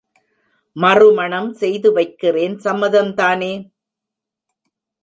மறுமணம் செய்து வைக்கிறேன் சம்மதம் தானே?